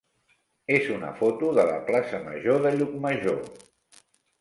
és una foto de la plaça major de Llucmajor.